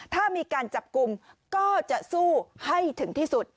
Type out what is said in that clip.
ถ้ามีการจับกลุ่มก็จะสู้ให้ถึงที่สุด